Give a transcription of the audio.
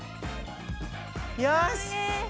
よし！